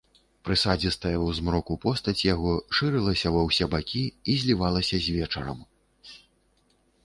Прысадзістая ў змроку постаць яго шырылася ва ўсе бакі і злівалася з вечарам.